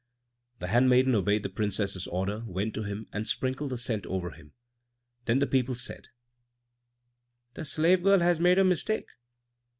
The handmaiden obeyed the Princess's order, went to him, and sprinkled the scent over him. Then the people said, "The slave girl has made a mistake."